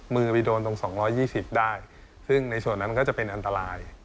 มือไปโดนตรง๒๒๐ได้ซึ่งในส่วนนั้นมันก็จะเป็นอันตราย